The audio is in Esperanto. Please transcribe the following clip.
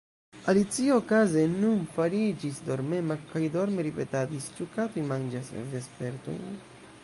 Alicio okaze nun fariĝis dormema, kaj dorme ripetadis: "Ĉu katoj manĝas vespertojn? »